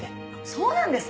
そうなんですか！